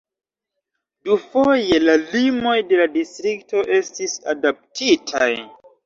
Dufoje la limoj de la distrikto estis adaptitaj.